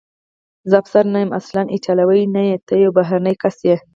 زه افسر نه یم، ته اصلاً ایټالوی نه یې، ته یو بهرنی کس یې.